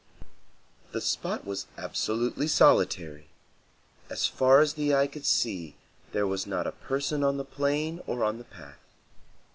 The spot was absolutely solitary. As far as the eye could see there was not a person on the plain or on the path.